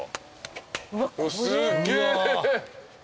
すげえ。